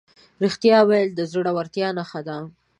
رښتیا ویل د زړهورتیا نښه ده.